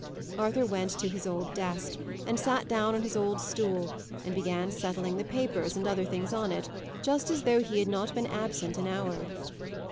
Arthur went to his old desk, and sat down on his old stool, and began settling the papers and other things on it, just as though he had not been absent an hour.